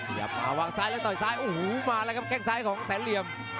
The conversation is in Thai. อย่ามาวางซ้ายแล้วต่อยซ้ายโอ้โหมาแล้วครับแค่งซ้ายของแสนเหลี่ยม